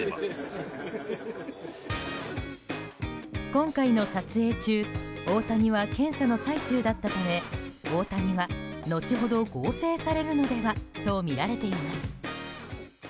今回の撮影中大谷は検査の最中だったため大谷は後ほど合成されるのではとみられています。